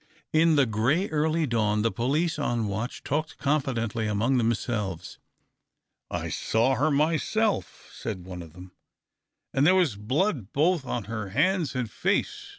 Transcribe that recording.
In the grey, early dawn the police on watch talked confidentially among themselves. " I saw her myself," said one of them, ''and there was blood both on her hands and face.